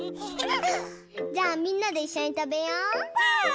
じゃあみんなでいっしょにたべよう。